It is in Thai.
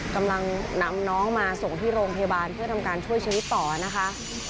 กำลังนำน้องมาส่งที่โรงพยาบาลเพื่อทำการช่วยชีวิตต่อนะคะ